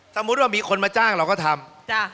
สมมุติว่ามีคนมาจ้างเราก็ทำ